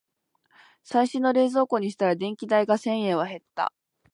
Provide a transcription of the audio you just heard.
最新の冷蔵庫にしたら電気代が千円は減った